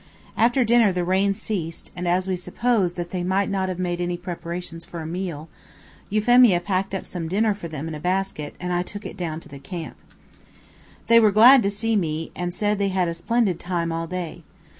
After dinner the rain ceased, and as we supposed that they might not have made any preparations for a meal, Euphemia packed up some dinner for them in a basket, and I took it down to the camp. They were glad to see me, and said they had a splendid time all day.